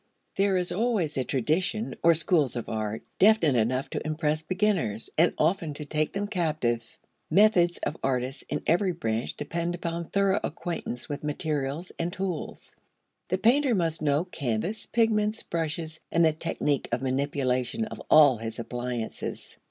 There is always a tradition, or schools of art, definite enough to impress beginners, and often to take them captive. Methods of artists in every branch depend upon thorough acquaintance with materials and tools; the painter must know canvas, pigments, brushes, and the technique of manipulation of all his appliances.